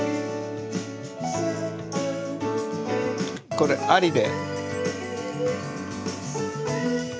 これありで。